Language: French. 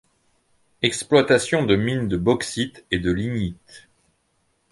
Exploitation de mines de bauxite et de lignite.